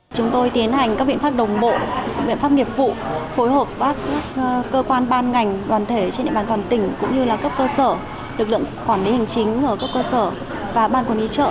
chúng tôi tiến hành các biện pháp đồng bộ biện pháp nghiệp vụ phối hợp với các cơ quan ban ngành đoàn thể trên địa bàn toàn tỉnh cũng như cấp cơ sở lực lượng quản lý hành chính ở cấp cơ sở và ban quản lý chợ